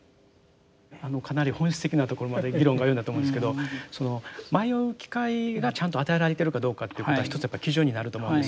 かなり本質的なところまで議論が及んだと思うんですけど迷う機会がちゃんと与えられてるかどうかということは一つやっぱり基準になると思うんですよね。